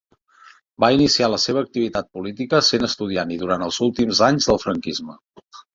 Va iniciar la seva activitat política sent estudiant i durant els últims anys del franquisme.